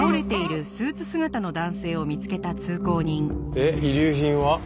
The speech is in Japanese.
で遺留品は？